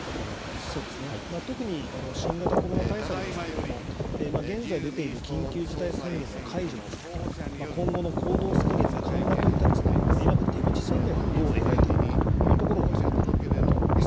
特に新型コロナ対策ですけれども、現在出ている緊急事態宣言の解除ですとか、今後の行動制限の緩和といったですね、いわば出口戦略をどう描いていくかということが問われると思います。